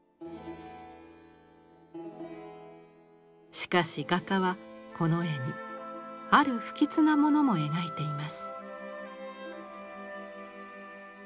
しかし画家はこの絵にある不吉なものも描いています。